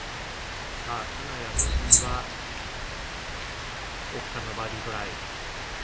金谷拓実は奥からのバーディートライ。